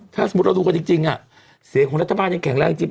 ถ้าสมมุติเราดูกันจริงเสียงของรัฐบาลยังแข็งแรงจริง